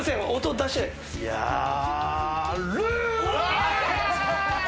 やる！